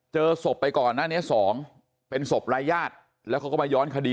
เจอศพไปก่อนหน้านี้๒เป็นศพรายญาติแล้วเขาก็มาย้อนคดี